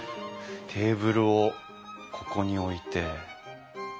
テーブルをここに置いて。